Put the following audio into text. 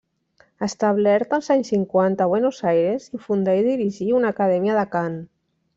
Establert els anys cinquanta a Buenos Aires, hi fundà i dirigí una acadèmia de cant.